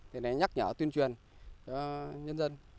thì này nhắc nhở tuyên truyền cho nhân dân